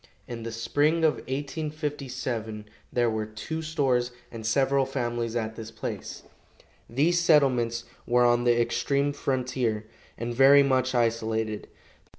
In the spring of 1857 there were two stores and several families at this place. These settlements were on the extreme frontier, and very much isolated.